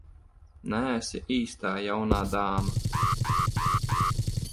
Neesi īstā jaunā dāma.